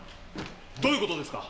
どういう事ですか！